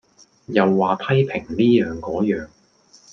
又話批評哩樣個樣